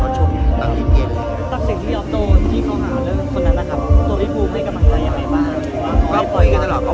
ท่านผู้สามารถกับเกือบยิงหลังข้วดตอนเห็นคน